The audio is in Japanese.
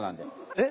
えっ？